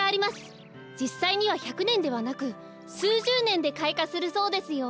じっさいには１００ねんではなくすうじゅうねんでかいかするそうですよ。